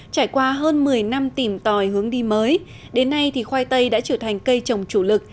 trải qua hơn một mươi năm tìm tòi hướng đi mới đến nay thì khoai tây đã trở thành cây trồng chủ lực